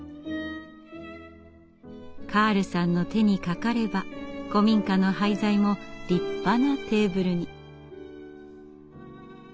カールさんの手にかかれば古民家の廃材も立派なテーブルに。